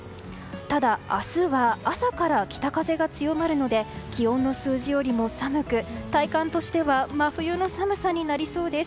ただ、明日は朝から北風が強まるので気温の数字よりも寒く体感としては真冬の寒さになりそうです。